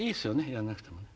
やんなくてもね。